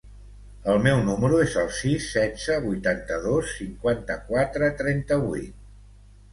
El meu número es el sis, setze, vuitanta-dos, cinquanta-quatre, trenta-vuit.